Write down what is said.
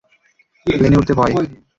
প্লেনে উড়তে ভয়?